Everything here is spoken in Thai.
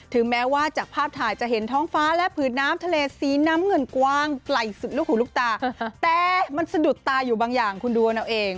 แม้ว่าจากภาพถ่ายจะเห็นท้องฟ้าและผืนน้ำทะเลสีน้ำเงินกว้างไกลสุดลูกหูลูกตาแต่มันสะดุดตาอยู่บางอย่างคุณดูกันเอาเอง